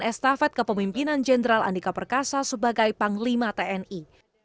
estafet kepemimpinan jenderal andika perkasa sebagai panglima tni